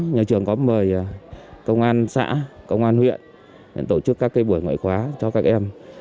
nhà trường có mời công an xã công an huyện tổ chức các buổi ngoại khóa cho các em